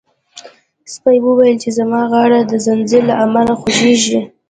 سپي وویل چې زما غاړه د زنځیر له امله خوږیږي.